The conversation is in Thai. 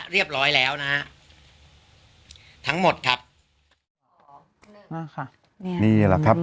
เรียบร้อยแล้วนะฮะทั้งหมดครับอ่าค่ะนี่นี่แหละครับ